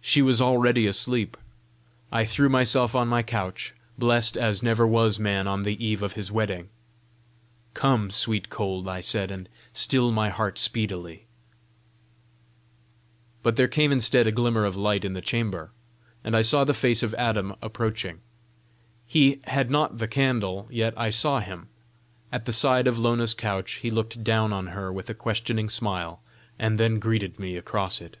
She was already asleep. I threw myself on my couch blessed as never was man on the eve of his wedding. "Come, sweet cold," I said, "and still my heart speedily." But there came instead a glimmer of light in the chamber, and I saw the face of Adam approaching. He had not the candle, yet I saw him. At the side of Lona's couch, he looked down on her with a questioning smile, and then greeted me across it.